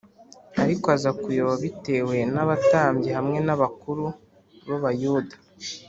ariko aza kuyoba abitewe n’abatambyi hamwe n’abakuru b’abayuda